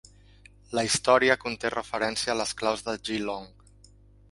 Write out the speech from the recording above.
La història conté referència a les claus de Geelong.